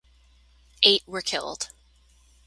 Eight were killed.